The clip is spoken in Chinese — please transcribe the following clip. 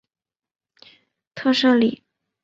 特赫里。